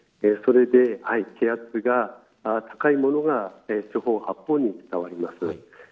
それで気圧が高いものが四方八方に伝わります。